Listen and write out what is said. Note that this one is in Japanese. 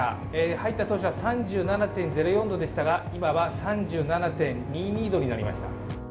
入った当初は３７．０４度でしたが今は３７．２２度になりました。